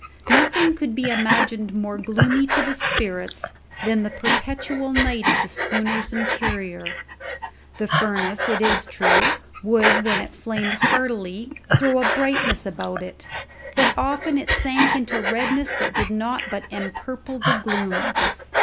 Nothing could be imagined more gloomy to the spirits than the perpetual night of the schooner's interior. The furnace, it is true, would, when it flamed heartily, throw a brightness about it; but often it sank into redness that did but empurple the gloom.